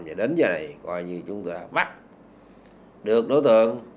và đến giờ này chúng tôi đã bắt được đối tượng